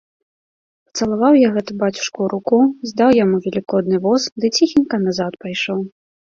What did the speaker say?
Пацалаваў я гэта бацюшку ў руку, здаў яму велікодны воз ды ціхенька назад пайшоў.